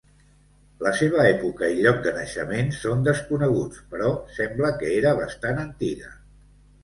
La seva època i lloc de naixement són desconeguts, però sembla que era bastant antiga.